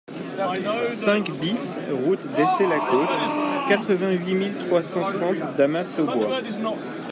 cinq BIS route d'Essey-la-Côte, quatre-vingt-huit mille trois cent trente Damas-aux-Bois